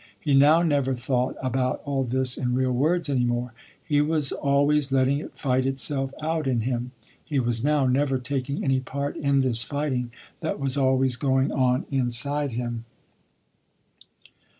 He now never thought about all this in real words any more. He was always letting it fight itself out in him. He was now never taking any part in this fighting that was always going on inside him.